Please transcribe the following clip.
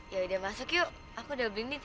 yaudah masuk yuk aku udah beli nih tiketnya